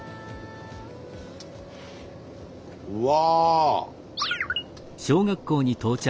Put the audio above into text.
うわ。